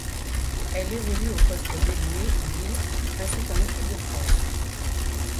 Elle évolue au poste d'ailier à Lille ainsi qu'en équipe de France.